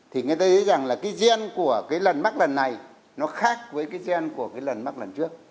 thì người ta thấy rằng là cái gen của cái lần mắc lần này nó khác với cái gen của cái lần mắc lần trước